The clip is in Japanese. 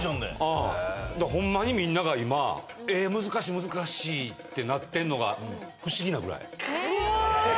うんホンマにみんなが今「えっ難しい難しい」ってなってんのが不思議なぐらいえっうわ